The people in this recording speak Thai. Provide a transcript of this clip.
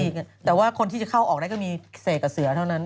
เป็นเจ้าของแต่คนที่จะเข้าออกได้มันุ่งเสกและเสือเท่านั้น